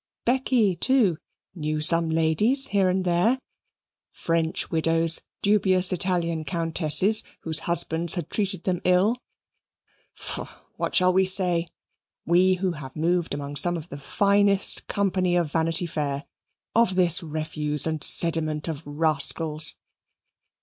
Becky, too, knew some ladies here and there French widows, dubious Italian countesses, whose husbands had treated them ill faugh what shall we say, we who have moved among some of the finest company of Vanity Fair, of this refuse and sediment of rascals?